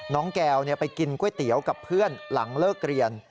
แก้วไปกินก๋วยเตี๋ยวกับเพื่อนหลังเลิกเรียน